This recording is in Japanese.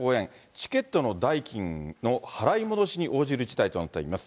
チケットの代金の払い戻しに応じる事態となっております。